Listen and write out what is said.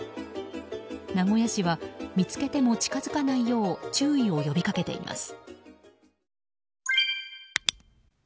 名古屋市は見つけても近づかないよう注意を呼びかけています。